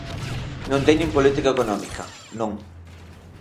Non teñen política económica, non.